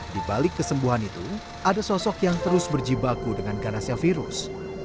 di balik kesembuhan itu ada sosok yang terus berjibaku dengan ganasnya virus